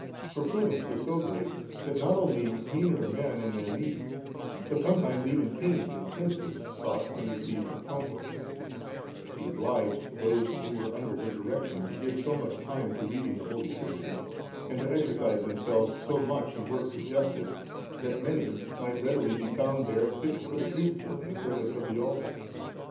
Her prudence was so great, that not only meaner men in their need, but sometimes even kings and princes, sought and received her counsel; she obliged those who were under her direction to give so much time to reading of the Holy Scriptures, and to exercise themselves so much in works of justice, that many might readily be found there fit for the priesthood and the service of the altar.